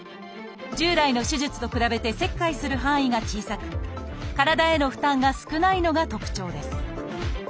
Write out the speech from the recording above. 従来の手術と比べて切開する範囲が小さく体への負担が少ないのが特徴です